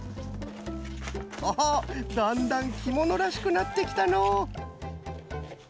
オホッだんだんきものらしくなってきたのう。